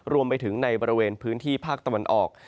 รวมไปถึงในบริเวณพื้นที่ภาคตะวันออก